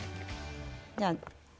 じゃあ。